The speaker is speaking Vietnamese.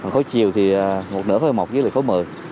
khối chiều thì một nửa khối một mươi một với khối một mươi